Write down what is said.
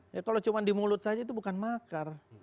ya kalau cuma di mulut saja itu bukan makar